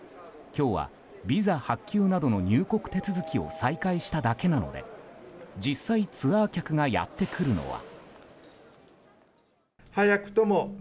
今日は、ビザ発給などの入国手続きを再開しただけなので実際、ツアー客がやってくるのは。